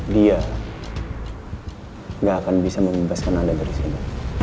dia nggak akan bisa membebaskan anda dari sini